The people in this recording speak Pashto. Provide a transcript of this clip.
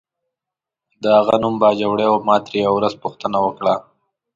د هغه نوم باجوړی و، ما ترې یوه ورځ پوښتنه وکړه.